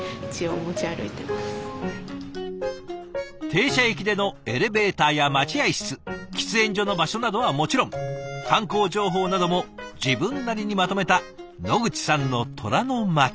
停車駅でのエレベーターや待合室喫煙所の場所などはもちろん観光情報なども自分なりにまとめた野口さんの虎の巻。